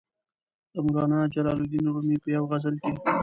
د مولانا جلال الدین رومي په یوې غزل کې.